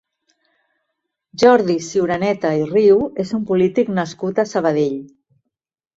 Jordi Ciuraneta i Riu és un polític nascut a Sabadell.